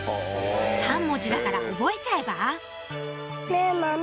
３文字だから覚えちゃえば？